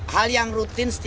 hal yang rutin